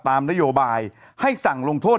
ตามนโยบายให้สั่งลงโทษ